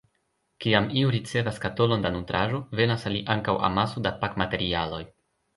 Kiam iu ricevas skatolon da nutraĵo, venas al li ankaŭ amaso da pakmaterialoj.